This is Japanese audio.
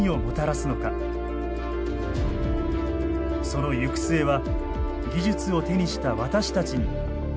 その行く末は技術を手にした私たちに託されています。